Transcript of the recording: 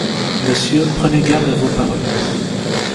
Monsieur, prenez garde à vos paroles.